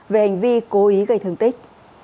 về hành vi cố ý gây thương tích